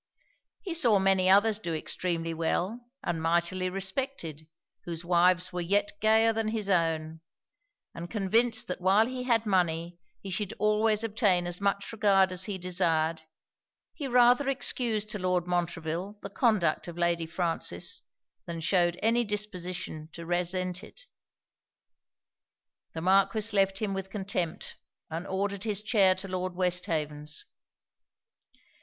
He saw many others do extremely well, and mightily respected, whose wives were yet gayer than his own; and convinced that while he had money he should always obtain as much regard as he desired, he rather excused to Lord Montreville the conduct of Lady Frances than shewed any disposition to resent it. The Marquis left him with contempt, and ordered his chair to Lord Westhaven's.